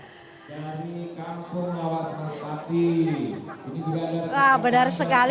jadi kampung kawasan sepati